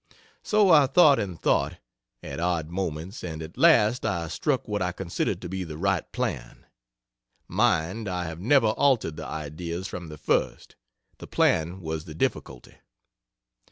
So I thought and thought, at odd moments and at last I struck what I considered to be the right plan! Mind I have never altered the ideas, from the first the plan was the difficulty.